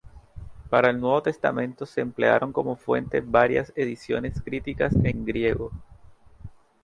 Para el Nuevo Testamento se emplearon como fuente varias ediciones críticas en griego.